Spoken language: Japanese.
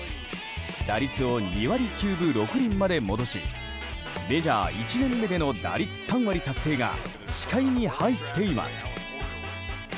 打率を２割９分６厘まで戻しメジャー１年目での打率３割達成が視界に入っています。